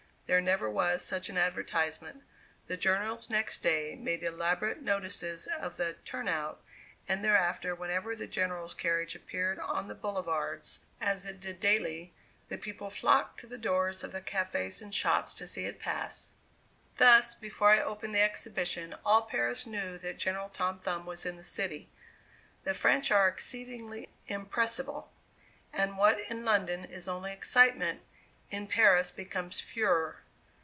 There never was such an advertisement; the journals next day made elaborate notices of the "turnout," and thereafter whenever the General's carriage appeared on the boulevards, as it did daily, the people flocked to the doors of the cafés and shops to see it pass. Thus, before I opened the exhibition all Paris knew that General Tom Thumb was in the city. The French are exceedingly impressible; and what in London is only excitement, in Paris becomes furor.